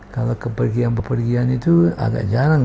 kalau kepergian perpergian itu kita makan sama nyonya